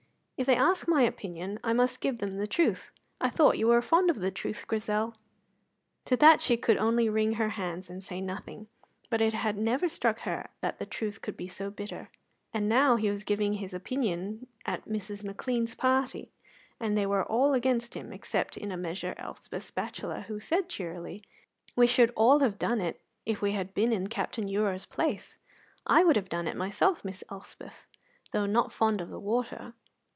"If they ask my opinion, I must give them the truth. I thought you were fond of the truth, Grizel." To that she could only wring her hands and say nothing; but it had never struck her that the truth could be so bitter. And now he was giving his opinion at Mrs. McLean's party, and they were all against him, except, in a measure, Elspeth's bachelor, who said cheerily, "We should all have done it if we had been in Captain Ure's place; I would have done it myself, Miss Elspeth, though not fond of the water."